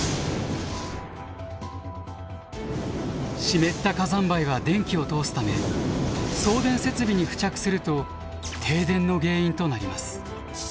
湿った火山灰は電気を通すため送電設備に付着すると停電の原因となります。